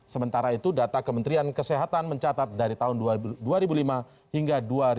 sementara itu data kementerian kesehatan mencatat dari tahun dua ribu lima hingga dua ribu dua